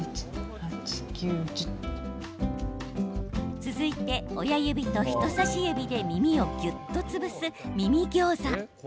続いて、親指と人さし指で耳をぎゅっと潰す耳ギョーザ。